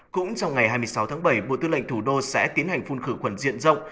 cũng trong ngày hai mươi sáu tháng bảy bộ tư lệnh thủ đô sẽ tiến hành phun khử khuẩn diện rộng